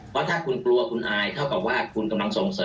เพราะถ้าคุณกลัวคุณอายเท่ากับว่าคุณกำลังส่งเสริม